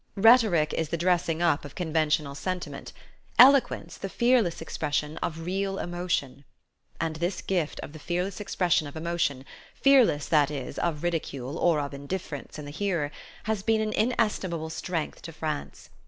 Rhetoric is the dressing up of conventional sentiment, eloquence the fearless expression of real emotion. And this gift of the fearless expression of emotion fearless, that is, of ridicule, or of indifference in the hearer has been an inestimable strength to France.